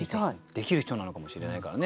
できる人なのかもしれないからね。